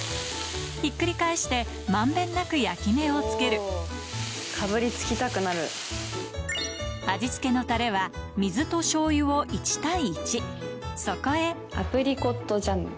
ひっくり返して満遍なく焼き目を付ける味付けのタレは水としょうゆを１対１そこへアプリコットジャム。